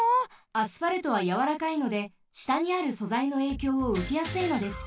アスファルトはやわらかいのでしたにあるそざいのえいきょうをうけやすいのです。